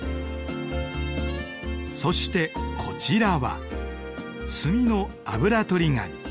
そしてこちらは墨のあぶらとり紙。